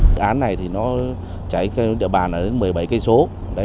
dự án này thì nó cháy địa bàn là đến một mươi bảy km